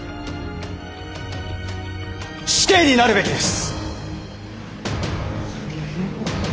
死刑になるべきです！